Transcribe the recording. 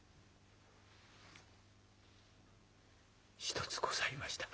「一つございました」。